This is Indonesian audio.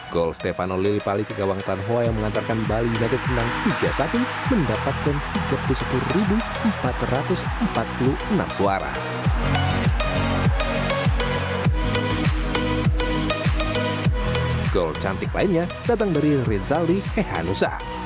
gol cantik lainnya datang dari rezaldi hehanusa